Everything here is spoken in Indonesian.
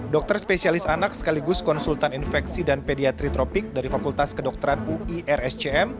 dokter spesialis anak sekaligus konsultan infeksi dan pediatri tropik dari fakultas kedokteran uirscm